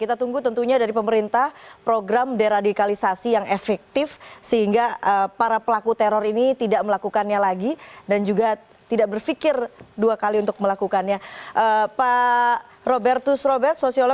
kita tunggu tentunya dari pemerintah program deradikalisasi yang efektif sehingga para pelaku teror ini tidak melakukannya lagi dan juga tidak berpikir dua kali untuk melakukannya